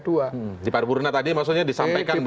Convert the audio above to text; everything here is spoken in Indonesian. di paripurna tadi maksudnya disampaikan begitu ya